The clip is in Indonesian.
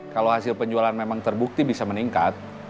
kalau hasil penjualan memang terbukti bisa meningkat